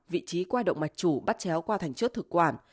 vị trí qua động mạch chủ bát chéo qua thành chốt thực quản